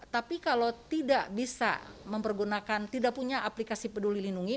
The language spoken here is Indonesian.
tapi kalau tidak bisa mempergunakan tidak punya aplikasi peduli lindungi